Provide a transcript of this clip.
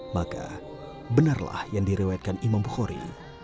maka benarlah yang direwetkan imam bukhori